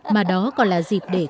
mà đó còn là dịp để cầu an